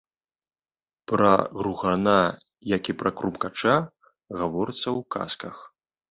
Пра гругана, як і пра крумкача, гаворыцца ў казках.